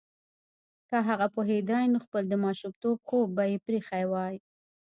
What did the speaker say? که هغه پوهیدای نو خپل د ماشومتوب خوب به یې پریښی وای